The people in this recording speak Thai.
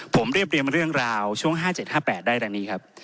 ผมเรียบเรียมเรื่องราวช่วง๕๗๕๘ได้ดังนี้ครับ